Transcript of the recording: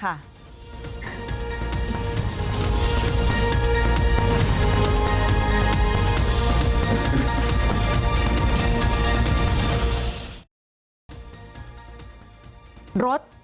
แชร์มีลลักษณะและบนภูมิ